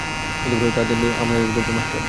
তাদের দরকার আপনার মতো একজন মাস্টার।